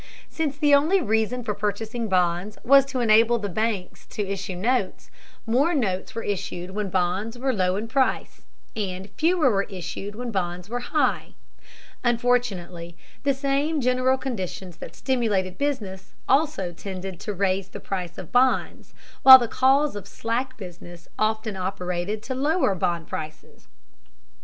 Since the only reason for purchasing bonds was to enable the b banks to issue notes, more notes were issued when bonds were low in price, and fewer were issued when bonds were high. Unfortunately, the same general conditions that stimulated business also tended to raise the price of bonds, while the causes of slack business often operated to lower bond prices.